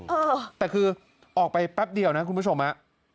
เออแต่คือออกไปแป๊บเดียวนะคุณผู้ชมฮะ